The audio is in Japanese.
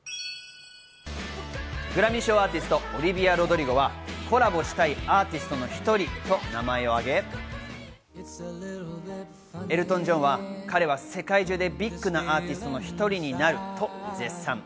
グラミー賞アーティスト、オリヴィア・ロドリゴはコラボしたいアーティストの１人と名前を挙げ、エルトン・ジョンは彼は世界中でビッグなアーティストの一人になると絶賛。